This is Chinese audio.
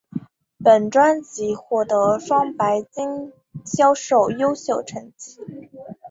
本专辑获得双白金销量优秀成绩。